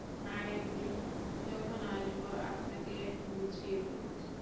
আরেক দিন যখন আসব, আপনাকে বুঝিয়ে বলব।